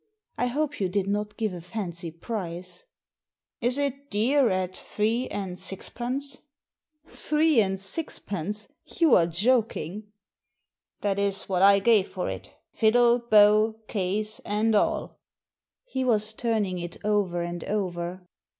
I hope you did not give a fancy price." " Is it dear at three and sixpence ?"Three and sixpence ? You are joking." "That is what I gave for it — fiddle, bow, case, and alL" He was turning it over and over.